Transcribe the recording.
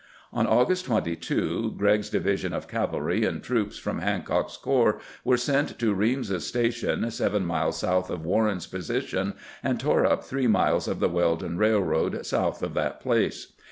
On August 22 G regg's division of cavalry and troops from Hancock's corps were sent to Reams's Station, seven miles south of Warren's position, and tore up three miles of the Weldon Railroad south of that place.